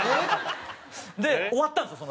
で終わったんですよ